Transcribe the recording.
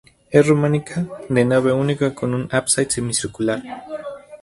Es románica, de nave única con un ábside semicircular.